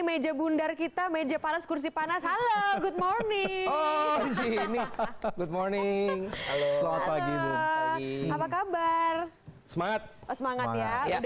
meja bundar kita meja panas kursi panas halo good morning good morning apa kabar semangat semangat ya udah